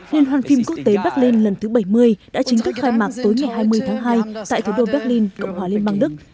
liên hoàn phim quốc tế bắc linh lần thứ bảy mươi đã chính thức khai mạng tối ngày hai mươi tháng hai tại thủ đô bắc linh cộng hòa liên bang đức